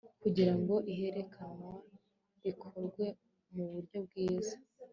kugira ngo ihererekanwa rikorwe mu uburyo bwiza